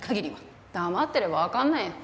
黙ってればわかんないよ。